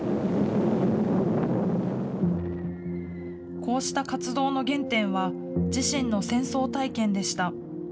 こうした活動の原点は、自身の戦争体験でした。